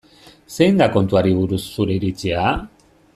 Zein da kontuari buruz zure iritzia?